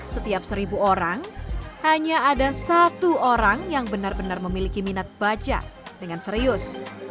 setiap seribu orang hanya ada satu orang yang benar benar memiliki minat baca dengan serius